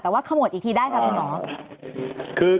แต่ว่าขมวดอีกทีได้ค่ะคุณหมอ